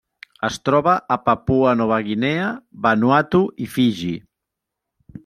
Es troba a Papua Nova Guinea, Vanuatu i Fiji.